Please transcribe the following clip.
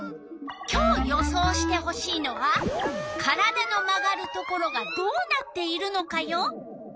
今日予想してほしいのは「体の曲がるところがどうなっているのか」よ。